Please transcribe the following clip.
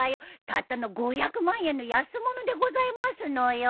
たったの５００万円の安物でございますのよ。